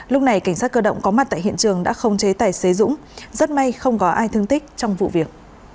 lúc này cảnh sát cơ động có mặt tại hiện trường đã không chế tài xế dũng rất may không có ai thương tích trong vụ việc